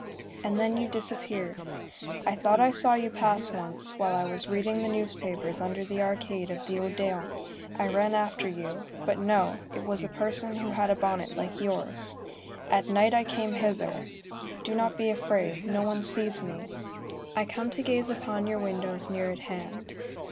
And then you disappeared. I thought I saw you pass once, while I was reading the newspapers under the arcade of the Odéon. I ran after you. But no. It was a person who had a bonnet like yours. At night I came hither. Do not be afraid, no one sees me. I come to gaze upon your windows near at hand.